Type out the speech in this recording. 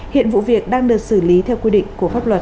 hiện vụ việc đang được xử lý theo quy định của pháp luật